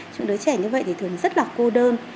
những đứa trẻ như vậy thì thường rất là cô đơn